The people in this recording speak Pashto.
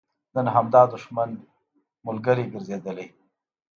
نن همدا دښمن ملګری ګرځېدلی.